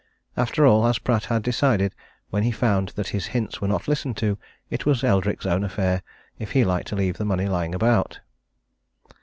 And after all, as Pratt had decided, when he found that his hints were not listened to, it was Eldrick's own affair if he liked to leave the money lying about.